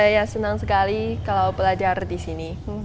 ya senang sekali kalau belajar di sini